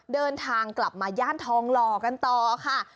เดินทางกลับมาย่านทองหล่อกันต่อค่ะ